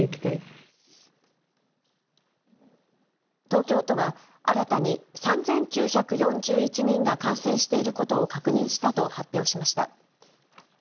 東京都は新たに３９４１人が感染していることを確認したと発表しました。